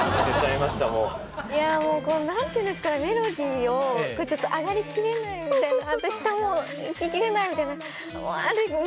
いやもう何て言うんですかねメロディーをちょっと上がりきれないみたいな下もいききれないみたいな。